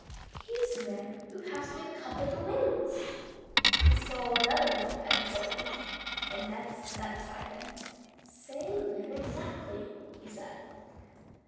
"He's the man who passed me the cup with the wings!" He stole another look around the corner, and this satisfied him. "Same man exactly," he said.